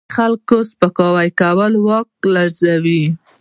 د خلکو سپکاوی کول واک لرزوي.